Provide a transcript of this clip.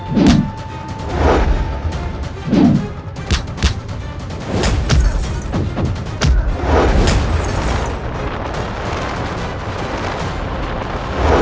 tuhan memang bersaudara